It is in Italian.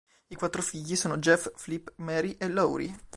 I quattro figli sono Jeff, Flip, Mary e Laurie.